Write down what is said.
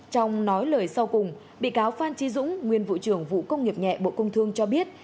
trong nói lời sau cùng bị cáo phan trí dũng nguyên vụ trưởng vụ công nghiệp nhẹ bộ công thương cho biết